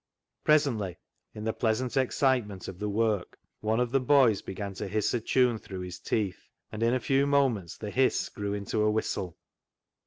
Presently in the pleasant excitement of the work one of the boys began to hiss a tune through his teeth, and in a few moments the hiss grew into a whistle.